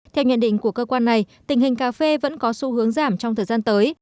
theo nhận định của cơ quan này tình hình cà phê vẫn có xu hướng giảm trong thời gian tới